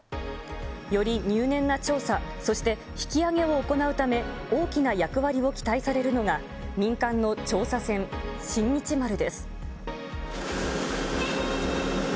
より入念な調査、そして引き揚げを行うため、大きな役割を期待されるのが、民間の調査船、新日丸です。